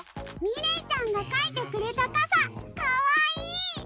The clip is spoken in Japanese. みれいちゃんがかいてくれたかさかわいい！